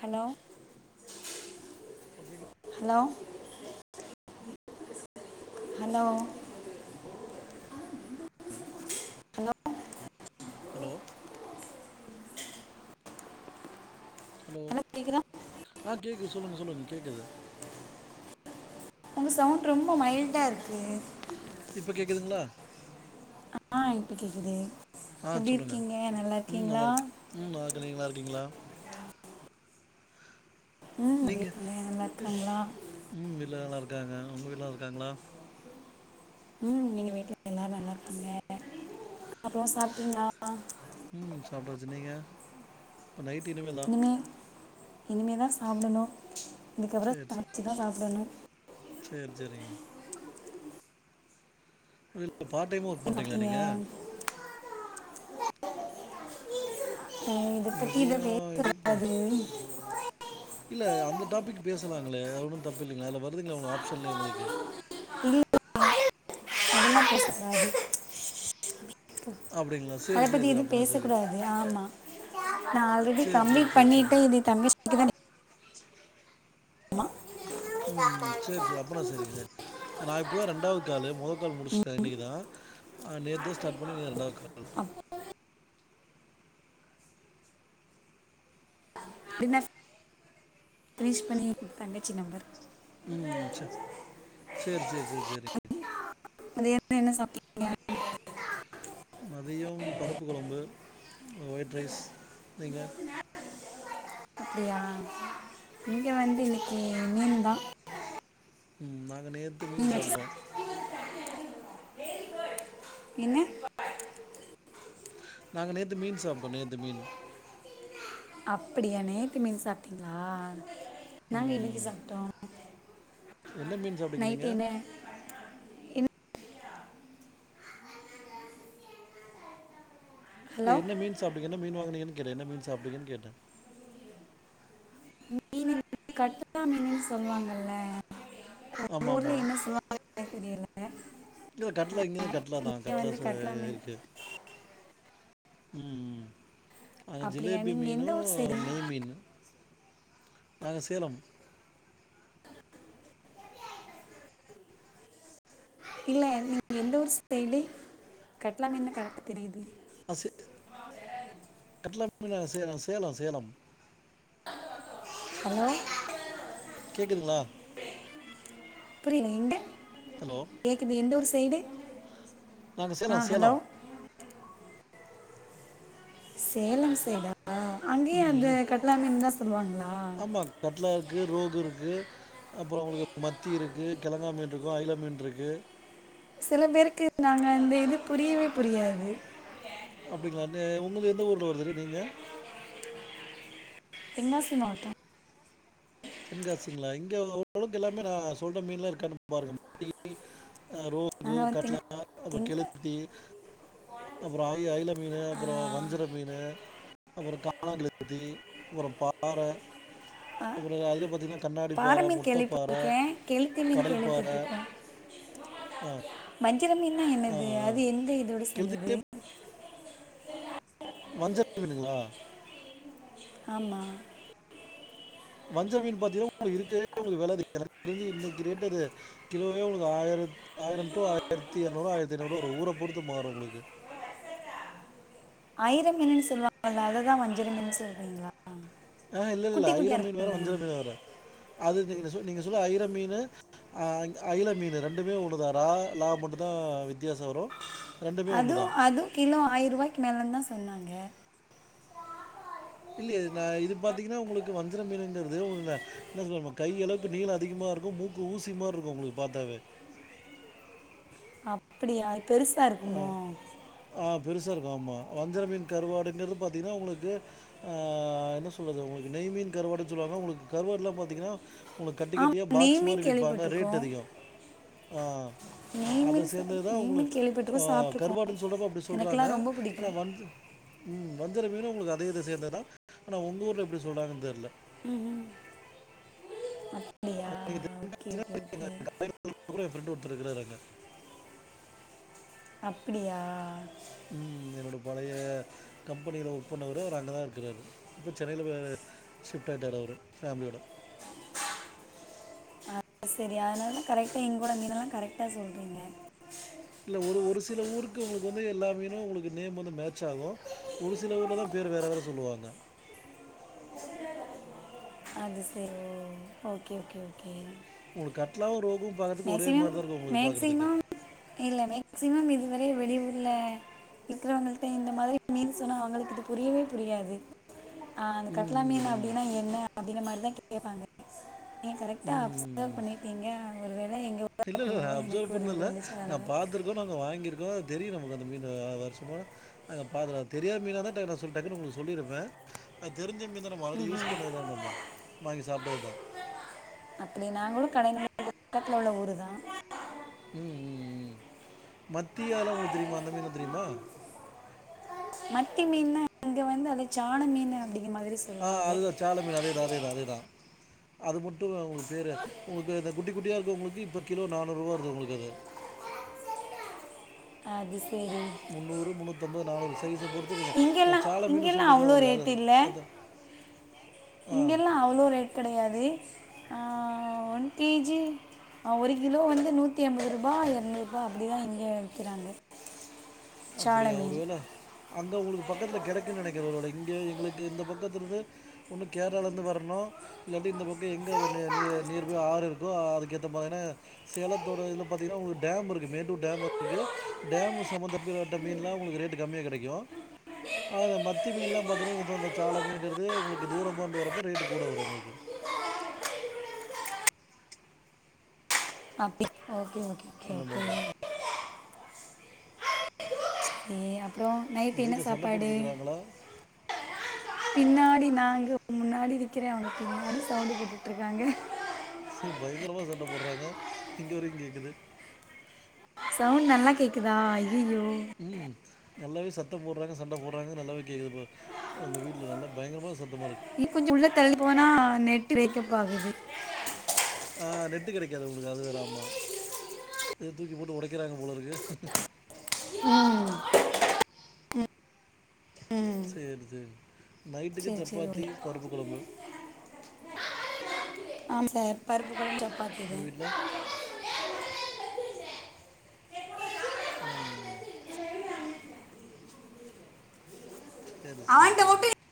Hello ஓகேக்கா hello hello okay கா hello hello hello கேக்குதா ஆ கேக்குது சொல்லுங்க சொல்லுங்க கேக்குது உங்க சவுண்ட் ரொம்ப மைல்டா இருக்கு இப்ப கேக்குதுங்ளா ஆ இப்ப கேக்குதே ஆ எப்டி சொல்லுங்கள் இருக்கீங்க நல்லா ம் இருக்கீங்களா நல்லாயிருக்கு ம் ஓகே நீங்க நல்லா இருக்கீங்களா ம் நீங்கள் எப்டிண்ணே நல்லா இருக்காங்களா ம் எல்லாரு நல்லா இருக்காங்க உங்க வீட்ல நல்லா இருக்காங்களா ம் எங்க வீட்ல எல்லாரு நல்லாருக்காங்கா அப்றோ சாப்ட்டீங்களா ம் சாப்டாச்சு நீங்க நைட்டு இனிமேதா இனிமே இனிமே தா சாப்டணு இதுக்கப்றோ சமைச்சுதா சாப்டணு சேரி சேரிங்க இதுல பார்ட் டைம்மா ஒர்க் என்ன பண்ணுறீங்களா சாப்பிட்டீங்க நீங்க அ இத பத்தி இதா மதியம் பேசுறாது இல்ல அந்த டாபிக் பேசலாங்களே அது ஒன்னு தப்பில்லைங்களே அதுல வருதுங்களே உங்க ஆப்ஷன்லயே உங்களுக்கு என்ன பேச கூடாது அப்படிங்களா அத சரி சரி பத்தி சரி இதுவு அப்போனா சரி பேசக்கூடாதுங்ளா ஆமா நா ஆல்ரெடி சரி சரி கம்ப்ளீட் சரி பண்ணிட்டே சரிங்க இது தங்கச்சி ம் ம் சேரி சேரி அப்பனா சேரிங்க சேரி நா இப்ப தா ரெண்டாவது காலு மொத கால் முடிச்சுட்டே இன்னைக்கி தா ஆ நேத்து தா ஸ்டார்ட் பண்ணி இன்னைக்கி ரெண்டாவது கால் வின்னர்ஸ் ரீச் பண்ணி தங்கச்சி நம்பர் ம் செரி செரி சேரி சேரி சேரி அது என்ன என்ன சாப்டிங் மதியம் பருப்பு கொழம்பு ஒயிட் ரைஸ் நீங்க அப்டியா இங்க வந்து இன்னைக்கி மீன் தா நாங்க நேத்து மீன் வச்சு சாப்ட்டோ சாப்~ என்ன நாங்க நேத்து மீன் சாப்ட்டோ நேத்து மீன் அப்புடியா நேத்து மீன் சாப்ட்டீங்ளா நாங்க இன்னைக்கி ம். சாப்ட்டோ என்ன மீன் சாப்டிங்க நீங்க நைட்டு என்ன என்ன ஹலோ இல்ல என்ன மீன் சாப்டீங்க என்ன மீன் வாங்குனீங்கன்னு கேட்டே என்ன மீன் சாப்டீங்கன்னு கேட்டே மீன் கட்லா மீனுன் சொல்லுவாங்கல்ல ஆமாம்மா சும்மாவே பேரு தெரியல இன்னு கட்லா இங்கயு கட்லா தா இங்கே கட்லா வந்து சோ மீன் இருக்கு ம் ம் நாங்க அப்படியா ஜிலேபி நீங்கள் மீனு எந்த ஊர் சைடு நெய் மீன் நாங்க சேலம் இல்ல நீங்க எந்த ஊரு ஸ்டேயிலு கட்லா மீன்னுன்னா கரெக்டா தெரியுதே ஆ சே கட்லா மீன் நாங்க சேலோ சேலோ சேலம் ஹலோ கேக்குதுங்களா புரியில எண்ட ஹலோ கேக்குது எந்த ஊரு சைடு நாங்க சேலோ ஆ சேலோ ஹலோ சேலம் சேலம்மா அங்கே அந்த கட்லா மீன் தா சொல்லுவாங்களா ஆமாம் கட்லா இருக்கு ரோக் இருக்கு அப்புறோ ஒங்களுக்கு மத்தி இருக்கு கெழங்கா மீன் இருக்கு அயில மீன் இருக்கு சில பேருக்கு நாங்க அந்த இது புரியவே புரியாது அப்டிங்களா இந்தே உங்ளுது எந்த ஊர்ல வருது நீங்க தென்காசி மாவட்டோ தென்காசிங்களா இங்க ஓரளவுக்கு எல்லாமே நா சொல்ற மீன் எல்லா இருக்கானு பாருங்க [unintelligible] ரோக்கு நாங்கள் வந்து கட்லா தெங்க ஆ தெங்க கெளுத்தி அப்புறோ அ அயில மீனு அப்புறோ வஞ்சர மீனு அப்றோ காணங்கெள்த்தி அப்றோ பாற அப்புறோஎா அதுலயே பாத்தீங்கென்னா கண்ணாடி பாறை பாற மீன் முட்டப்பாற கேள்விப்பட்டிருக்கேன் கெளுத்தி மீன் கடல் பாற கேள்விப்பட்டிருக்கேன் ஆ மஞ்சிர மீன்னா ஆ என்னது ஆ. அது எந்த இதோடு சேந்தது கெளுத்திலே வஞ்சர மீனுங்களா ஆமா வஞ்சர மீன் பாத்தீங்களா ஒங்களுக்கு இருக்கறதே உங்ளுக்கு வெல அதிக எனக்கு தெறிஞ்சு இன்னைக்கி ரேட்டு அது கிலோவே உங்களுக்கு ஆயிரத் ஆயிரோ டூ ஆயிரத்து இநூறுவா ஆயிரத்து ஐநூறுவா வரு ஊர பொறுத்து மாறு உங்ளுக்கு அயிர மீன்னு சொல்லுவாங்கல்ல அத தா வஞ்சிர மீன்னு சொல்றீங்களா ஆ இல்ல இல்ல அயிர மீன் வேற வஞ்சிரோ மீன் வேற அது நீங்க நீங்க சொல்லற அயிர மீனு அ அயில மீனு ரெண்டுமே ஒண்ணுதா ரா லா மட்டு தா வித்தியாச வரு அதுவு அதுவு கிலோ ஆயிர ரூவாய்க்கு மேலே தா சொன்னாங்க இல்லையே நா இது பாத்தீங்கன்னா உங்களுக்கு வஞ்சிரோ மீனுங்குறது உள்ள என்ன சொல்ல கை அளவுக்கு நீள அதிகமா இருக்கு மூக்கு ஊசி மாருக்கு ஒங்ளுக்கு பாத்தாவே அப்டியா அது பெருசா ஆ, இருக்குமோ ஆ பெருசா இருக்கு ஆமா வஞ்சர மீன் கருவாடுங்கிறது பாத்தீங்கென்னா ஒங்களுக்கு ஆ என்ன சொல்லறது உங்களுக்கு நெய்மீன் கறுவாடுன்னு சொல்லுவாங்க ஒங்களுக்கு கருவாடுலா பாத்தீங்கென்னா உங்களுக்கு கட்டி ஆமா கட்டியாக நெய் பாக்ஸ் மாரி மீன் விப்பாங்க ரேட் கேள்விப்பட்டிருக்கோம் அதிகோ ஆ நெய் அத மீன் சா- சேந்ததுதா நெய் மீன் உங்ளுக்கு ஆ கேள்விப்பட்டிருக்கோம் சாப்பிட்ருக்கோம் கருவாடுன்னு சொல்றப்ப அப்டி சொல்றாங்க எனக்கெல்லாம் ரொம்ப ஆனா பிடிக்கும் வஞ்ச உம் வஞ்சர மீனு ஒங்களுக்கு அதே இத சேந்ததுதா ஆனா உங்க ஊர்ல எப்டி சொல்றாங்கன்னு தெர்ல உம் உம் [unintelligible] ஓகே தென்காசில ஓகே எங்க ஓகே [unintelligible] என் ஃப்ரெண்டு ஒருத்தரு இருக்காரு அங்க அப்டியா உம் என்னோட பழைய கம்பெனியில ஒர்க் பண்ணவரு அவர் அங்கதா இருக்கிறாரு இப்ப சென்னையில வேவே ஷிப்ட் ஆயிடாறு அவரு ஃபெமிலியோட ஆ செரி ஆனான கரெக்ட்டா இங்குள்ள மீன்னெல்லா கரெக்டா சொல்றீங்க இல்ல ஒரு ஒரு சில ஊருக்கு உங்களுக்கு வந்து எல்லா மீனு ஒங்களுக்கு நேம் வந்து மேட்ச் ஆகு ஒரு சில ஊர்ல தா பேர் வேற வேற சொல்வாங்க அது செரி ஓகே ஓகே ஓகே உங்களுக்கு கட்லா ரோகும் பாக்கறதுக்கு ஒரே மாரிதா இருக்கு உங்களுக்கு பாக்கறதுக்கு இல்ல மேக்சிமம் இதுவர வெளி உர்ல இருக்கறவங்கள்ட்ட இந்த மாதிரி மீன் சொன்னா அவங்களுக்கு இது புரியவே புரியாது ஆ அந்த ம், கட்லா மீன் ம், ம். அப்டின்னா என்ன அப்டிங்கற மாரிதா கேப்பாங்க நீங்க கரெக்ட்டா ம், ம், அப்சர்வ் ம். பண்ணிருக்கரீங்க ஒரு வேள எங்கோ இல்ல இல்ல அப்சர்வ் பண்ணல நா பாத்துருக் எதோ நாங்க வாங்கியிருக்கோ தெரியு நமக்கு அந்த மீன் வருஷம் பூரா அத நா பாக்கர தெரியாத மீனா இருந்தா டக் நா டக்குனு உங்களுக்கு நா சொல்லிருப்ப அ தெரி்ஞ்ச மீன் தான் மறுபடி யூஸ் பண்ணதா நம்ம வாங்கி சாப்டதுதா அப்டி நாங்களு [inaudible] பக்கத்துல உள்ள ஊருதா ம் ம் ம் மத்தியால உங்களுக்கு தெரியுமா அந்த மீன தெரியுமா மத்தி மீன்னா இங்க வந்து அத சான மீனு அப்படிங்கற மாரி சொல் ஆ அதுதா சால மீன் அதேதா அதேதா அதேதா அது மட்டு உங்களுக்கு பேரு உங்களுக்கு இந்த குட்டி குட்டியா இருக்கவங்களுக்கு இப்போ கிலோ நானூறு ரூவா வருது உங்களுக்கு அது அது சேரி முன்னூறு முன்னூத்தம்பது நாநூறு சைச பொறுத்து இருங்க இங்கெல்லாம் சால மீனு இங்கெல்லாம் சொல்றீங்களா உங்களுக்கு அது அத இங்கெல்லா அவ்ளோ ரேட் கெடையாதே ஆ ஒன் கேஜி அ ஒரு கிலோ வந்து நூற்தி ஐம்பது ரூபா எரநூறு ரூபா அப்டிதா இங்க விக்குறாங்க அப்டிய ஒருவேல அங்க உங்களுக்கு பக்கத்துல கெடைக்குனு நெனைக்கற ஒருவேட இங்க எங்களுக்கு இந்த பக்கத்துல இருந்து ஒன்னு கேரளாலேருந்து வரணு இல்லாட்டி இந்த பக்கோ எங்க நீ நீ நீர் ஆறு இருக்கோ அதுக்கேத்த மார சேலத்தோட இதுல பாத்தீங்கன்னா உங்களுக்கு டேம் இருக்கு மேட்டூர் டேம் இருக்கு டேம்மு சம்பந்த சம்பந்தப்பட்ட மீனெல்லா உங்களுக்கு ரேட்டு கம்மியா கெடைக்கு அ இந்த மத்தி மீன்லா பாத்தீங்கன்னா இங்கதான் இந்த சால மீன்ங்கறது உங்களுக்கு தூரமா இருந்து வறப்போ ரேட்டு் கூட வரு எங்களுக்கு அப்டி ஓகே ஓகே ஓகே அந்த ஓகே மாதிரி கே அப்ரோ உங்க வீட்ல சண்ட போட்டுட்ருக்கறாங்களா பின்னாடி நாங்க முன்னாடி நிக்கிறே அவங்க பின்னாடி சவுண்ட போட்டுட்ருக்காங்க சி பயங்கரமா சண்ட போடுறாங்க இங்க வரைக்கும் கேக்குது சவுண்ட் நல்லா கேட்குதா ஐஐயோ ம் நல்லாவே சத்தம் போடுறாங்க சண்ட போடுறாங்க நல்லாவே கேக்குது இப்ப உங்க வீட்ல நல்லா பயங்கரமா சத்தமா இருக்கு இனு கொஞ்சோ உள்ள தள்ளி போனா நெட்டு பிரேக்கப் ஆகுது ஆ நெட்டு கெடைக்காது உங்களுக்கு அது வேற ஆம்மா எதோ தூக்கி போட்டு ஒடைக்கறாங்க போலருக்கு ம் ம் சேரி சேரி நைட்டுக்கு சரி சரி சப்பாத்தி பருப்பு கொழம்பு ஆமா சார் பருப்பு கொழம்பு சப்பாத்தி உங்க தான் வீட்ல ம் சேரி சேரி அவன்கிட்ட மட்டும் சேரிங்